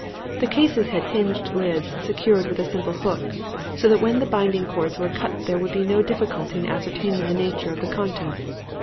The cases had hinged lids secured with a simple hook, so that when the binding cords were cut there would be no difficulty in ascertaining the nature of the contents.